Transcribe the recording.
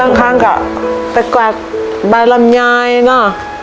บางครั้งก็ไปกวาดบรรลำยายเนาะ